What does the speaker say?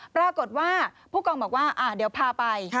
ปรากฏว่าผู้กองบอกว่าเดี๋ยวพาไป